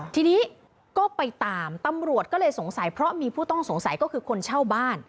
ทีนี้ก็ไปตามตำรวจก็เลยสงสัยเพราะมีผู้ต้องสงสัยก็คือคนเช่าบ้าน